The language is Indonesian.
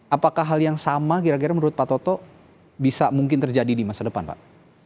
apakah hal yang sama kira kira menurut pak toto bisa mungkin terjadi di masa depan pak